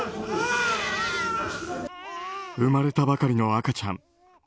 生まれたばかりの赤ちゃん。